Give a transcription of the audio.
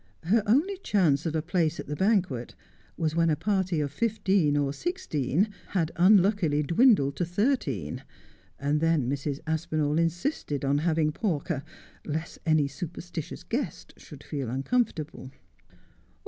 Her only chance of a place at the banquet was when a party of fifteen or sixteen had unluckily dwindled to thirteen, and then Mrs. Aspinali insisted on having Pawker, lest any superstitious guest should feel uncomfortable.